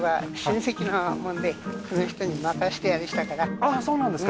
あーそうなんですか